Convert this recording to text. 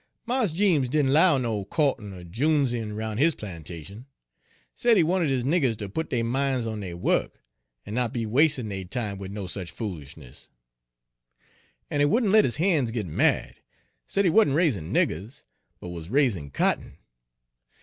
"Mars Jeems didn' 'low no co'tin' er juneseyin' roun' his plantation, said Page 72 he wanted his niggers ter put dey min's on dey wuk, en not be wastin' dey time wid no sech foolis'ness. En he wouldn' let his han's git married, said he wuz n' raisin' niggers, but wuz raisin' cotton.